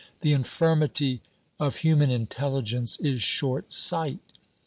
The infirmity of human intelligence is short sight.